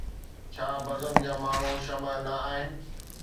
ڇا بزم جا ماڻهو شمع نه آهن؟